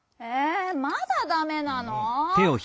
えまだダメなの？